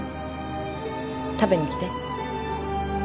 食べに来て。